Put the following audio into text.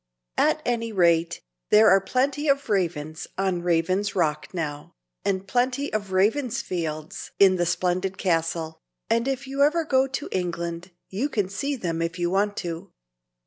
At any rate, there are plenty of Ravens on Raven's Rock now, and plenty of Ravensfields in the splendid castle; and if ever you go to England, you can see them if you want to.